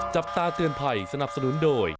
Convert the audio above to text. จับตาเตือนภัยสนับสนุนโดย